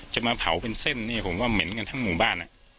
จะมาเผาเป็นเส้นเนี่ยผมว่าเหม็นกันทั้งหมู่บ้าน